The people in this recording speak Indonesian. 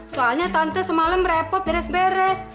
soalnya tante semalam repot beres beres